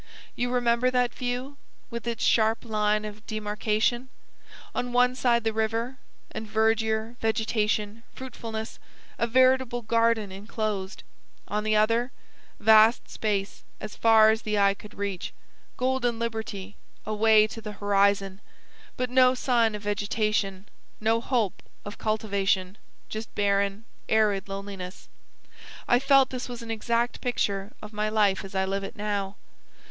You remember that view, with its sharp line of demarcation? On one side the river, and verdure, vegetation, fruitfulness, a veritable 'garden enclosed'; on the other, vast space as far as the eye could reach; golden liberty, away to the horizon, but no sign of vegetation, no hope of cultivation, just barren, arid, loneliness. I felt this was an exact picture of my life as I live it now.